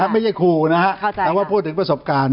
ไม่ใช่ครูนะฮะแต่ว่าพูดถึงประสบการณ์